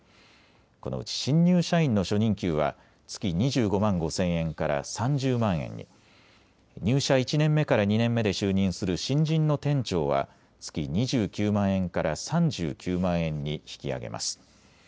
このうち新入社員の初任給は月２５万５０００円から３０万円に、入社１年目から２年目で就任する新人の店長は月２９万円から３９万円に引き上げます。